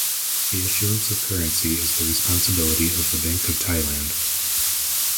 The issuance of currency is the responsibility of the Bank of Thailand.